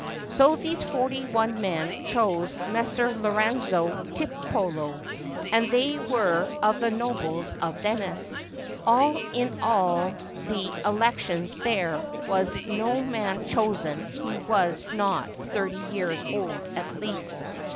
So these forty one men chose Messer Lorenzo Tiepolo ; and they were of the nobles of Venice. Also in all the elections there was no man chosen who was not thirty years old at least.